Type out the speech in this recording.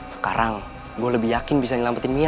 sekarang gue lebih yakin bisa ngelampetin mia